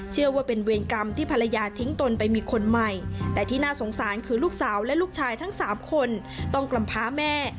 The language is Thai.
เชื่อว่าเป็นเวรกรรมที่ภรรยาทิ้งตนไปมีคนใหม่แต่ที่น่าสงสารคือลูกสาวและลูกชายทั้งสามคนต้องกำพาแม่